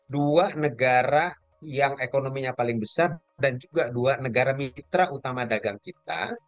dua negara yang ekonominya paling besar dan juga dua negara mitra utama dagang kita